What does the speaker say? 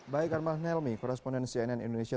baik armah nelmi korresponden cnn indonesia